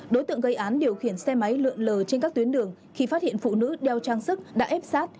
đối tượng gây án điều khiển xe máy lượng lờ trên các tuyến đường khi phát hiện phụ nữ đeo trang sức đã ép sát